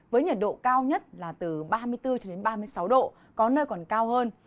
với nhiệt độ cao nhất là từ ba mươi bốn ba mươi sáu độ có nơi còn cao hơn